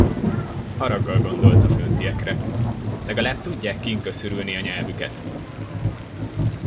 Haraggal gondolt a föntiekre: Legalább tudják kin köszörülni a nyelvüket!